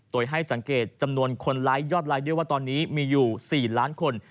โดยให้สังเกตจำนวนคนไลค์ยอดไลค์ด้วยว่าตอนนี้มีอยู่๔ล้านคน